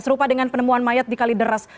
serupa dengan penemuan mayat di kalideres